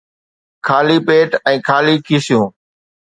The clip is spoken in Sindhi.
خالي پيٽ ۽ خالي کيسيون